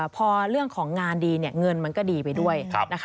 พอเรื่องของงานดีเงินมันก็ดีไปด้วย